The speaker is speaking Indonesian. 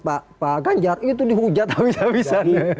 pak ganjar itu dihujat habis habisan